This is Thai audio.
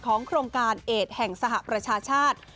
โครงการเอดแห่งสหประชาชาติ